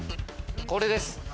これです。